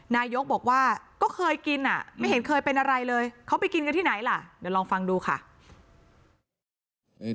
นายกบอกว่าก็เคยกินอ่ะไม่เห็นเคยเป็นอะไรเลยเขาไปกินกันที่ไหนล่ะเดี๋ยวลองฟังดูค่ะ